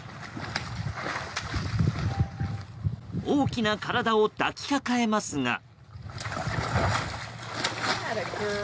大きな体を抱きかかえますが。